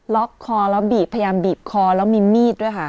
ล็อกคอแล้วบีบพยายามบีบคอแล้วมีมีดด้วยค่ะ